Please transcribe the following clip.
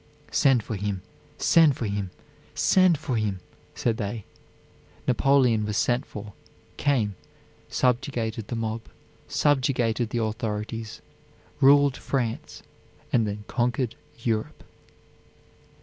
"Send for him; send for him; send for him," said they. Napoleon was sent for, came, subjugated the mob, subjugated the authorities, ruled France and then conquered Europe.